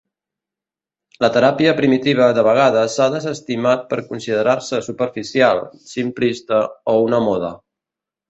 La teràpia primitiva de vegades s'ha desestimat per considerar-se superficial, simplista o una moda.